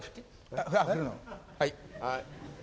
はい。